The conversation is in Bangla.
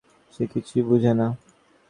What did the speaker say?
সে কিছুই বুঝে না!